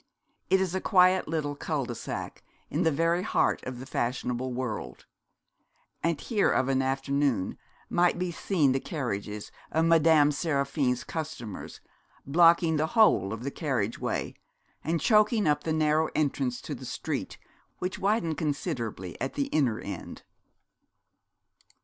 It is a quiet little cul de sac in the very heart of the fashionable world; and here of an afternoon might be seen the carriages of Madame Seraphine's customers, blocking the whole of the carriage way, and choking up the narrow entrance to the street, which widened considerably at the inner end.